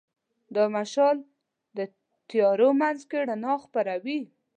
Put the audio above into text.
دا مشال د تیارو منځ کې رڼا خپروي.